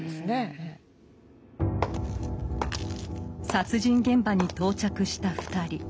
殺人現場に到着した２人。